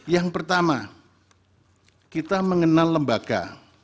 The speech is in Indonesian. yang pertama kita mengenal lembaga